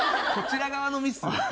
こちら側のミス？